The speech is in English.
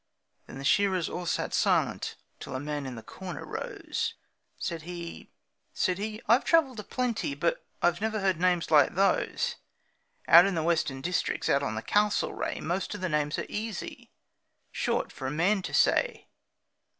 Then the shearers all sat silent till a man in the corner rose; Said he, 'I've travelled a plenty but never heard names like those. Out in the western districts, out on the Castlereagh Most of the names are easy short for a man to say.